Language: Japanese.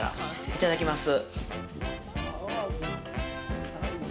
いただきます！